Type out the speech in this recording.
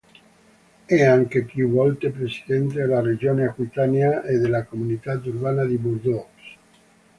È anche più volte presidente della regione Aquitania e della comunità urbana di Bordeaux.